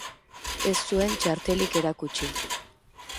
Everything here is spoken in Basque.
Ez zuen txartelik erakutsi.